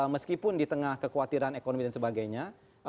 meskipun di tengah kekhawatiran ekonomi dan sebagainya